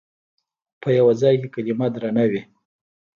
په یوه ځای کې کلمه درنه وي.